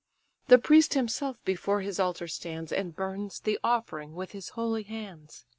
The priest himself before his altar stands, And burns the offering with his holy hands.